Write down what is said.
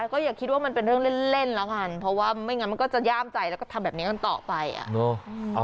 ก็อย่าคิดว่ามันเป็นเรื่องเล่นแล้วกันเพราะว่าไม่งั้นมันก็จะย่ามใจแล้วก็ทำแบบนี้กันต่อไปอ่ะเนอะ